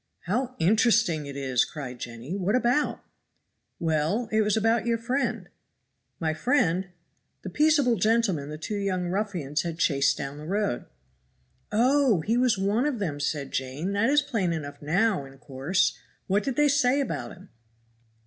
"How interesting it is!" cried Jenny "what about?" "Well! it was about your friend." "My friend?" "The peaceable gentleman the two young ruffians had chased down the road." "Oh! he was one of them," said Jane, "that is plain enough now in course. What did they say about him?"